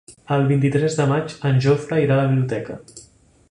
El vint-i-tres de maig en Jofre irà a la biblioteca.